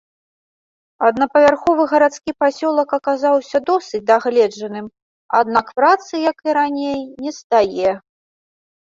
Аднапавярховы гарадскі пасёлак аказаўся досыць дагледжаным, аднак працы, як і раней, нестае.